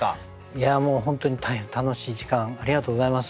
いやもう本当に大変楽しい時間ありがとうございます。